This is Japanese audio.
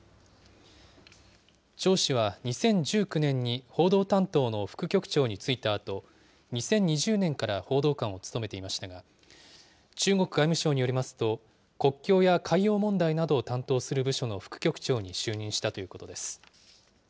趙氏は２０１９年に報道担当の副局長に就いたあと、２０２０年から報道官を務めていましたが、中国外務省によりますと、国境や海洋問題などを担当する部署の副局長に就任したということです。